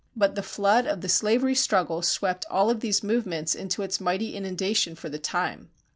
But the flood of the slavery struggle swept all of these movements into its mighty inundation for the time.